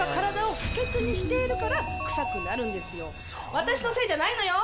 私のせいじゃないのよ！